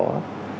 cái việc mà có